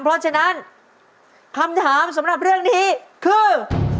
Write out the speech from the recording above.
เพราะฉะนั้นคำถามสำหรับเรื่องนี้คือ